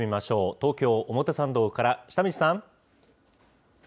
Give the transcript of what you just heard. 東京・表参道から下道さん。